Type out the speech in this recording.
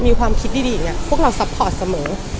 มีความคิดดีพวกเราซัพพอร์ตเสมอ